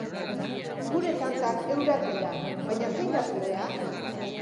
Gure tantak eurak dira, baina zein da zurea?